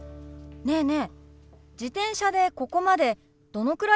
ねえねえ